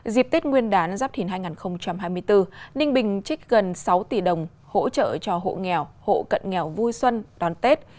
dịp tết nguyên đán giáp thìn hai nghìn hai mươi bốn ninh bình trích gần sáu tỷ đồng hỗ trợ cho hộ nghèo hộ cận nghèo vui xuân đón tết